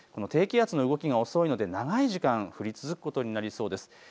低気圧の動きが遅いので長い時間降り続くことになりそうです。